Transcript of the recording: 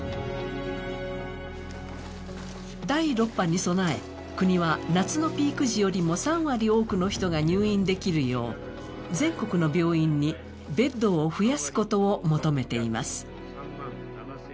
第６波に備え、国は夏のピーク時よりも３割多くの人が入院できるよう全国の病院にベッドを増やすことを求めています。